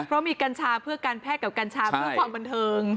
เพราะมีกัญชาเพื่อการแพทย์กับกัญชาเพื่อความบันเทิง